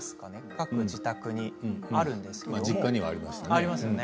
各自宅に、あるんですけどもね。